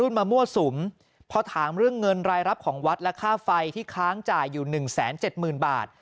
และค่าไฟที่ค้างจ่ายอยู่๑แสน๗หมื่นบาท